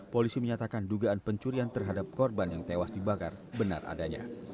polisi menyatakan dugaan pencurian terhadap korban yang tewas dibakar benar adanya